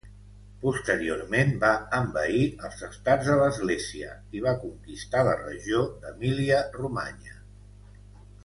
Posteriorment va envair els Estats de l'Església i va conquistar la regió d'Emília-Romanya.